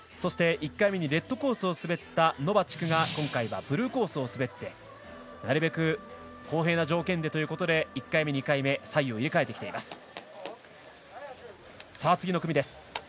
そして１回目にレッドコースを滑ったノバチクが今回はブルーコースを滑ってなるべく公平な条件ということで１回目、２回目で左右を入れ替えてきています。